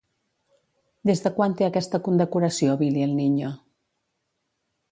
Des de quan té aquesta condecoració Billy el Niño?